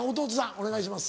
お願いします。